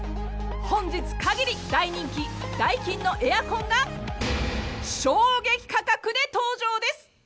本日限り、大人気ダイキンのエアコンが衝撃価格で登場です。